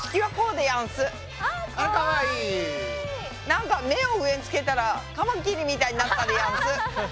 なんか目を上につけたらカマキリみたいになったでやんす。